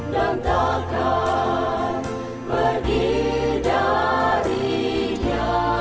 dan takkan pergi dari dia